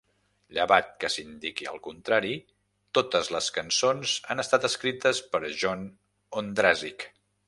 Llevat que s'indiqui el contrari, totes les cançons han estat escrites per John Ondrasik.